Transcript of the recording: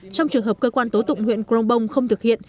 trong trường hợp cơ quan tố tụng huyện công bông không thực hiện